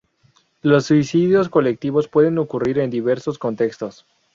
Los suicidios colectivos pueden ocurrir en diversos contextos.